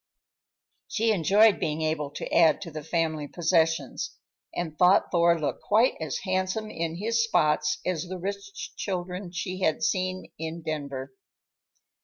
She enjoyed being able to add to the family possessions, and thought Thor looked quite as handsome in his spots as the rich children she had seen in Denver.